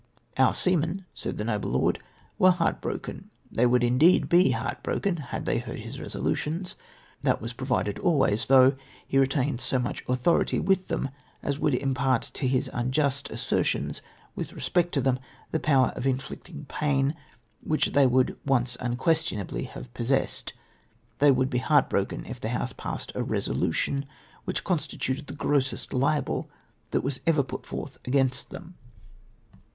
" Our seamen, said the noble lord, were heart broken ; they would indeed be heart broken had they heard his re solutions ; that was provided always, though, he retained so much authority with them, as would impart to his unjust assertions, with respect to them, the power of inflicting pain which they would once unquestionably have possessed. The}^ would be heart broken if the House passed a resolution which constituted the grossest libel that was ever put forth against them.